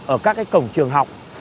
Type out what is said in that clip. ở các cái cổng trường học